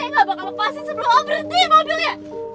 saya gak bakal lepasi sebelum om berhenti mobilnya